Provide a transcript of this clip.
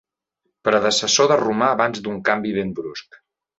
Predecessor de romà abans d'un canvi ben brusc.